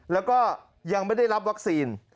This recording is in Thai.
แล้วก็ยังไม่ได้รับวัคซีน